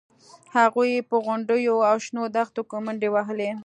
هغوی په غونډیو او شنو دښتونو کې منډې وهلې